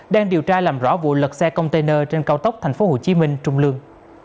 đang điều tra làm rõ vụ lật xe container trên cao tốc tp hcm trung lương